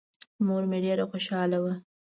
مور مې ډېره خوشاله وه.